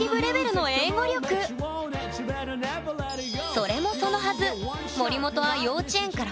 それもそのはず